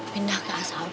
pindah ke asal